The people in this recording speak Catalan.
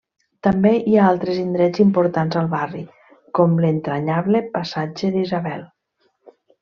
També hi ha altres indrets importants al barri, com l'entranyable passatge d'Isabel.